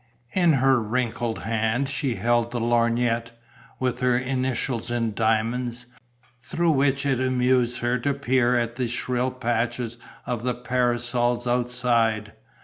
In her wrinkled hand she held the lorgnette, with her initials in diamonds, through which it amused her to peer at the shrill patches of the parasols outside.